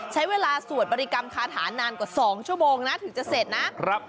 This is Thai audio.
ใช้เวลาส่วนบริกรรมคาถานานกว่า๒ชั่วโมงถึงจะเสร็จนะ